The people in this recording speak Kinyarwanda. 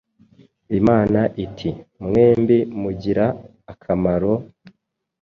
Imana iti: “Mwembi mugira akamaro,